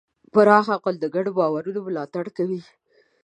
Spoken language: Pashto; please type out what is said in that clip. پراخ عقل د ګډو باورونو ملاتړ کوي.